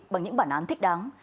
bằng những bản án thích đáng